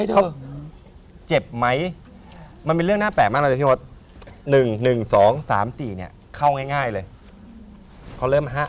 แล้วหมอไม่งงอะฮะ